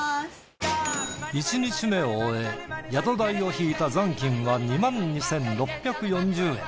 １日目を終え宿代を引いた残金は２万２，６４０円。